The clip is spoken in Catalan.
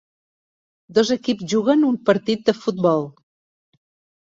Dos equips juguen un partit de futbol.